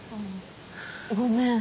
ごめん。